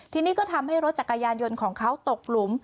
ทีนี้ก็ทำให้รถจักรยานยนต์ของเขาตกหลุม